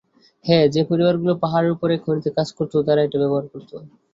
হ্যা, যে পরিবারগুলি পাহাড়ের উপরে খনিতে কাজ করত তারাই এটা ব্যবহার করত।